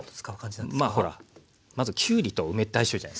まあほらまずきゅうりと梅って相性いいじゃないですか。